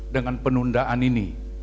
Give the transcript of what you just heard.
dengan penundaan ini